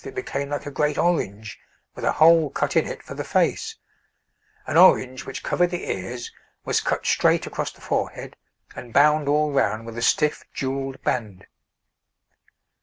it became like a great orange, with a hole cut in it for the face an orange which covered the ears, was cut straight across the forehead, and bound all round with a stiff jewelled band.